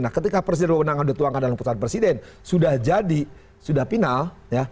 nah ketika presiden wawenang ada tuangkan dalam keputusan presiden sudah jadi sudah final